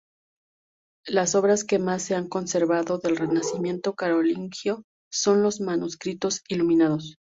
Las obras que más se han conservado del renacimiento carolingio son los manuscritos iluminados.